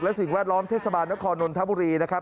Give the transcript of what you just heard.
และสิ่งแวดล้อมเทศบาลนครนนทบุรีนะครับ